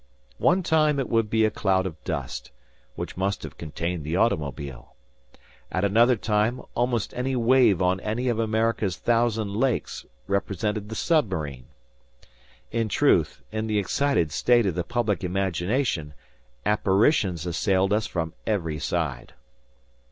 One time it would be a cloud of dust, which must have contained the automobile. At another time, almost any wave on any of America's thousand lakes represented the submarine. In truth, in the excited state of the public imagination, apparitions assailed us from every side.